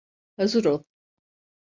Hazır ol!